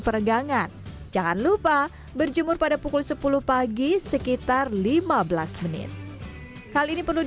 peregangan jangan lupa berjemur pada pukul sepuluh pagi sekian waktu itu anda bisa menikmati kebanyakan